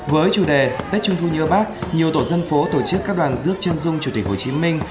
với chủ đề tết trung thu như bác nhiều tổ dân phố tổ chức các đoàn rước chân dung chủ tịch hồ chí minh